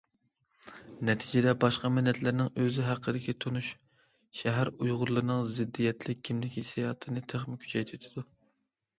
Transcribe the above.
نەتىجىدە باشقا مىللەتلەرنىڭ ئۆزى ھەققىدىكى تونۇشى شەھەر ئۇيغۇرلىرىنىڭ زىددىيەتلىك كىملىك ھېسسىياتىنى تېخىمۇ كۈچەيتىۋېتىدۇ.